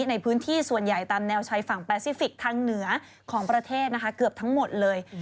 ในพื้นที่ส่วนใหญ่ตามแนวชายฝั่งแปซิฟิกทางเหนือของประเทศนะคะเกือบทั้งหมดเลย